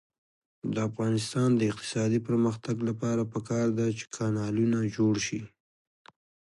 د افغانستان د اقتصادي پرمختګ لپاره پکار ده چې کانالونه جوړ شي.